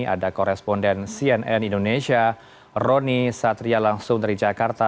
ada koresponden cnn indonesia rony satria langsung dari jakarta